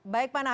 baik pak nahar